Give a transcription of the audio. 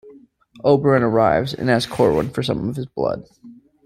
Oberon arrives, and asks Corwin for some of his blood.